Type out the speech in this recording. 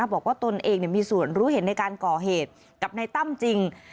ตนเองมีส่วนรู้เห็นในการก่อเหตุกับนายตั้มจริง